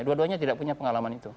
dua duanya tidak punya pengalaman itu